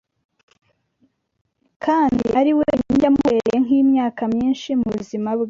kandi ari wenyine yamubereye nk’imyaka myinshi mu buzima bwe